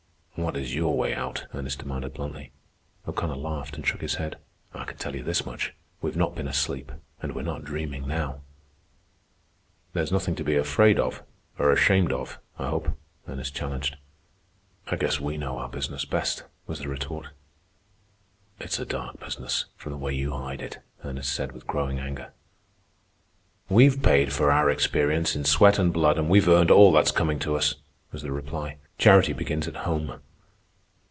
"What is your way out?" Ernest demanded bluntly. O'Connor laughed and shook his head. "I can tell you this much: We've not been asleep. And we're not dreaming now." "There's nothing to be afraid of, or ashamed of, I hope," Ernest challenged. "I guess we know our business best," was the retort. "It's a dark business, from the way you hide it," Ernest said with growing anger. "We've paid for our experience in sweat and blood, and we've earned all that's coming to us," was the reply. "Charity begins at home."